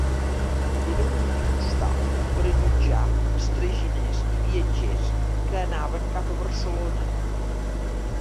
Era un antic hostal per allotjar els traginers i viatgers que anaven cap a Barcelona.